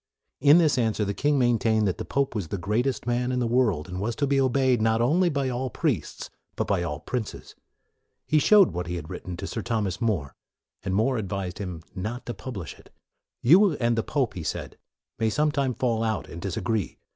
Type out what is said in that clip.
In this answer the king maintained that the pope was the greatest man in the world, and was to be obeyed, not only by all priests, but by all princes. He showed what he had written to Sir Thomas More, and More advised him not to publish it. " You and the pope,' 1 he said, " may some time fall out, and disagree.